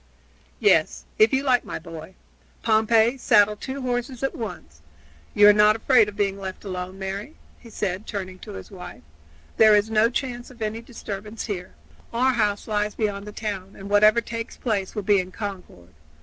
"Yes, if you like, my boy. Pompey, saddle two horses at once. You are not afraid of being left alone, Mary?" he said, turning to his wife. "There is no chance of any disturbance here. Our house lies beyond the town, and whatever takes place will be in Concord.